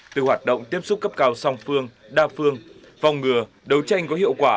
từ hoạt động tiếp xúc cấp cao song phương đa phương phòng ngừa đấu tranh có hiệu quả